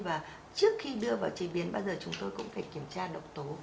và trước khi đưa vào chế biến bao giờ chúng tôi cũng phải kiểm tra độc tố